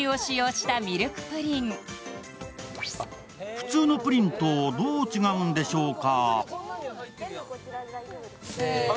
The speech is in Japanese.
普通のプリンとどう違うのでしょうか。